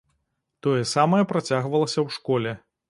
Тое ж самае працягвалася ў школе.